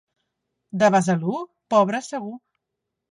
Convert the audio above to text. De Besalú? Pobre segur.